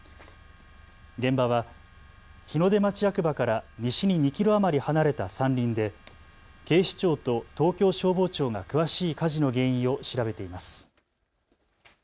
現場は日の出町役場から西に２キロ余り離れた山林で警視庁と東京消防庁が詳しい火事の原因を調べています。